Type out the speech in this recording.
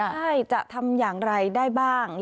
ใช่จะทำอย่างไรได้บ้าง